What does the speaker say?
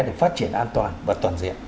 để phát triển an toàn và toàn diện